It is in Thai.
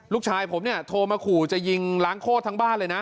ลูกชายผมเนี่ยโทรมาขู่จะยิงล้างโคตรทั้งบ้านเลยนะ